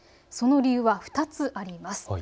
その理由は２つあります。